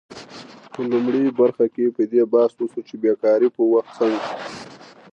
په لومړۍ برخه کې په دې بحث وشو چې د بیکارۍ په وخت څنګه